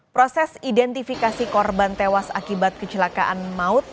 proses identifikasi korban tewas akibat kecelakaan maut